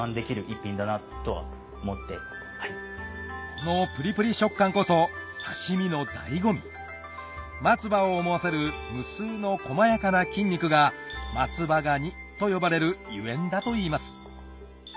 このプリプリ食感こそ刺身の醍醐味松葉を思わせる無数の細やかな筋肉が松葉ガニと呼ばれる由縁だといいます